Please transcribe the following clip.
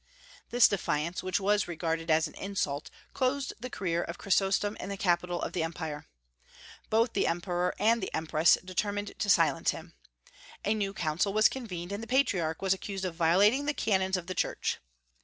This defiance, which was regarded as an insult, closed the career of Chrysostom in the capital of the Empire. Both the emperor and empress determined to silence him. A new council was convened, and the Patriarch was accused of violating the canons of the Church.